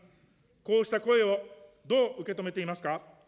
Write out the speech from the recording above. こうした声をどう受け止めていますか。